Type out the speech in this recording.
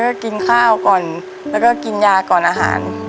ก็กินข้าวก่อนแล้วก็กินยาก่อนอาหาร